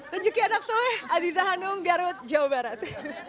dan juga anak anak saya adiza hanum garut jawa barat